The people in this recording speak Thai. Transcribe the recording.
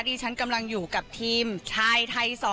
ดิฉันกำลังอยู่กับทีมชายไทย๒